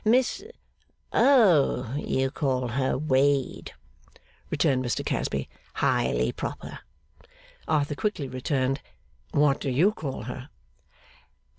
'Miss ? Oh, you call her Wade,' returned Mr Casby. 'Highly proper.' Arthur quickly returned, 'What do you call her?